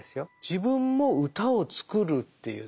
自分も歌を作るっていう。